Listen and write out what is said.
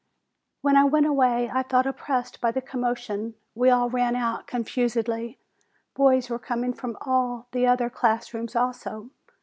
When I went away, I felt oppressed by the com motion. We all ran out confusedly. Boys were com ing from all the other class rooms also.